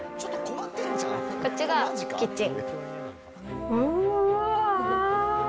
これ、こっちがキッチン。